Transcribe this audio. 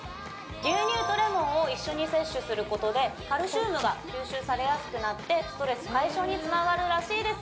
牛乳とレモンを一緒に摂取することでカルシウムが吸収されやすくなってストレス解消につながるらしいです